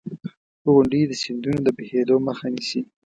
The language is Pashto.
• غونډۍ د سیندونو د بهېدو مخه نیسي.